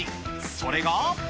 それが。